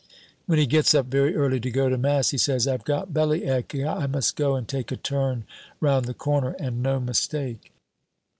When he gets up very early to go to mass, he says, 'I've got belly ache, I must go and take a turn round the corner and no mistake.'"